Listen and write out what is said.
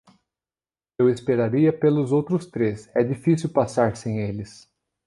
Eu esperaria pelos outros três, é difícil passar sem eles.